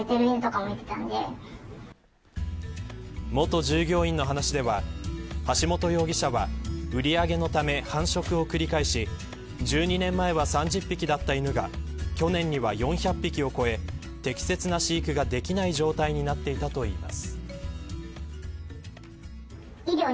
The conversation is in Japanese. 元従業員の話では橋本容疑者は、売り上げのため繁殖を繰り返し１２年前は３０匹だった犬が去年には４００匹を超え適切な飼育ができない状態になっていたといいます。